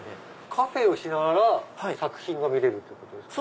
カフェをしながら作品が見れるってことですか？